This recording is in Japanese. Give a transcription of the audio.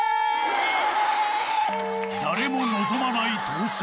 誰も望まない当選。